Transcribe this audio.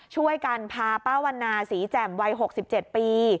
ช่วยกันพาป้าวันนาศรีแจ่มวัย๖๗ปี